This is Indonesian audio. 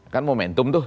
kan momentum tuh